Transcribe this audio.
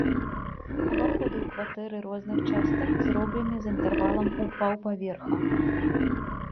Уваходы ў кватэры розных частак зроблены з інтэрвалам у паўпаверха.